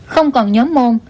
không còn nhóm môn